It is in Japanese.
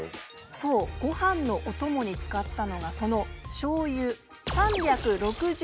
そうご飯のお供に使ったのがそのしょうゆええ！？